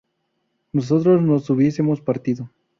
nosotros no hubiésemos partido